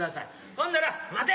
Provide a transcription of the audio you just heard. ほんなら「待て！